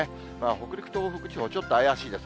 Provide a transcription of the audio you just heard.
北陸、東北地方、ちょっと怪しいです。